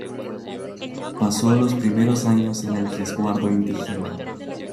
Pasó los primeros años en el Resguardo indígena.